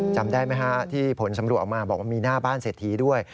จำได้ไหมฮะที่ผลสำรวจออกมาบอกว่ามีหน้าบ้านเศรษฐีด้วย